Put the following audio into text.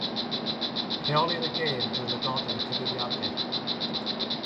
Rheolir y gêm drwy lygoden y cyfrifiadur.